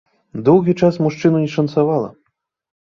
Доўгі час мужчыну не шанцавала.